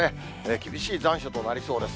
厳しい残暑となりそうです。